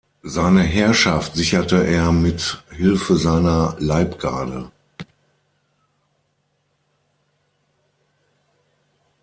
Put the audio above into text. Seine Herrschaft sicherte er mit Hilfe seiner Leibgarde.